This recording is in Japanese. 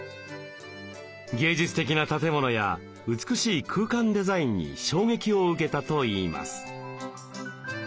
芸術的な建物や美しい空間デザインに衝撃を受けたといいます。